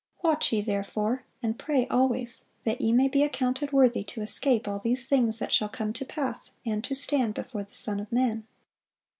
"Watch ye therefore, and pray always, that ye may be accounted worthy to escape all these things that shall come to pass, and to stand before the Son of man."